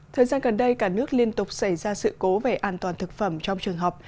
thời gian gần đây cả nước liên tục xảy ra sự cố về an toàn thực phẩm trong trường học